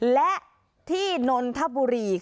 และที่นนทบุรี